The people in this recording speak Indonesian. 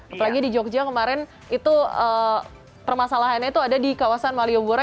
apalagi di jogja kemarin itu permasalahannya itu ada di kawasan malioboro